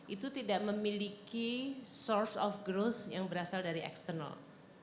itu tidak memiliki source of growth yang berasal dari external